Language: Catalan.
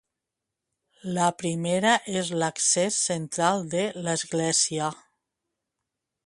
La primera és l'accés central de l'església.